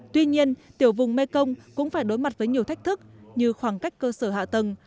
tuy nhiên tiểu vùng mekong cũng phải đối mặt với nhiều thách thức như khoảng cách cơ sở hạ tầng